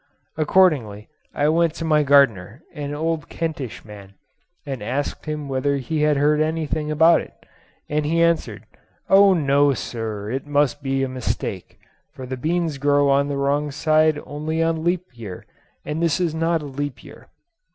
Accordingly, I went to my gardener, an old Kentish man, and asked him whether he had heard anything about it, and he answered, "Oh, no, sir, it must be a mistake, for the beans grow on the wrong side only on leap year, and this is not leap year."